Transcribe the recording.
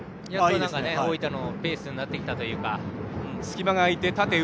大分のペースにやっとなってきたというかね。